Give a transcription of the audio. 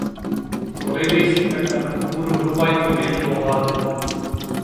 Telephone கட்டணம் நூறு ரூபாய்க்கு மேல் போகாது.